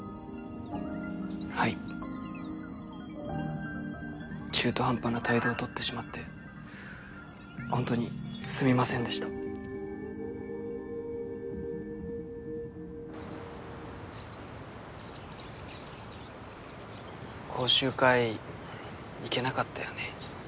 はい中途半端な態度を取ってしまってほんとにすみませんでした講習会行けなかったよね